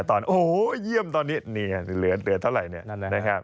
โอ้โฮเยี่ยมตอนนี้เลือดเท่าไรเนี่ย